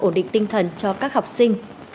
ổn định tinh thần cho các học sinh